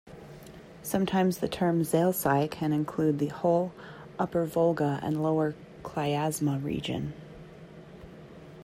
Sometimes the term "Zalesye" can include the whole Upper Volga and Lower Klyazma region.